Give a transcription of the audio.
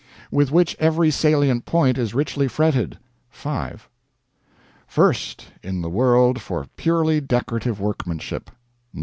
With which every salient point is richly fretted 5. First in the world for purely decorative workmanship 9.